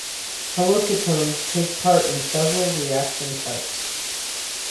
Haloketones take part in several reaction types.